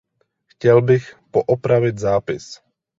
Chtěl bych poopravit zápis.